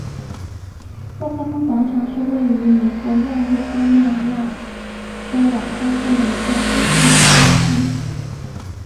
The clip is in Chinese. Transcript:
沃克风车广场是位于美国亚利桑那州亚瓦派县的一个非建制地区。